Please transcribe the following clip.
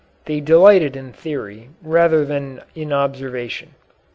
They delighted in theory, rather than in observation."